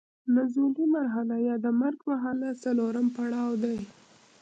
نزولي مرحله یا د مرګ مرحله څلورم پړاو دی.